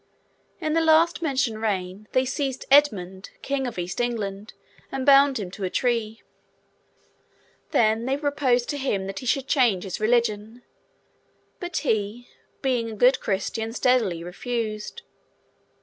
In the last mentioned reign, they seized Edmund, King of East England, and bound him to a tree. Then, they proposed to him that he should change his religion; but he, being a good Christian, steadily refused.